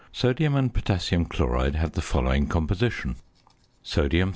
Sodium and potassium chlorides have the following composition: Sodium 39.